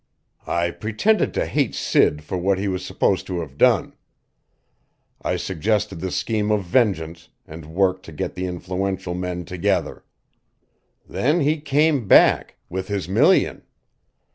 "I pretended to hate Sid for what he was supposed to have done. I suggested the scheme of vengeance, and worked to get the influential men together. Then he came back with his million.